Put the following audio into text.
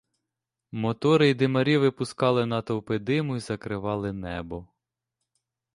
Мотори й димарі випускали натовпи диму й закривали небо.